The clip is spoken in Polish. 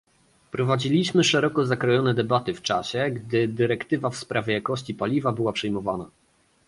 Prowadziliśmy szeroko zakrojone debaty w czasie, gdy dyrektywa w sprawie jakości paliwa była przyjmowana